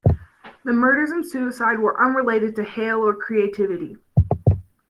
The murders and suicide were unrelated to Hale or Creativity.